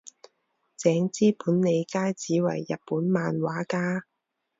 井之本理佳子为日本漫画家。